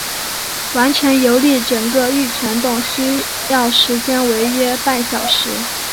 完成游历整个玉泉洞需要时间为约半小时。